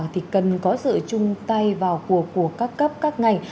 thì cần có sự chung tay vào cuộc của các cấp các ngành